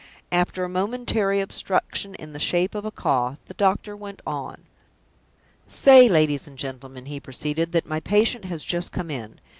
After a momentary obstruction in the shape of a cough, the doctor went on. "Say, ladies and gentlemen," he proceeded, "that my patient has just come in.